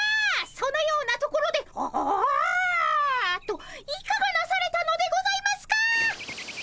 そのようなところで「ああ」といかがなされたのでございますか？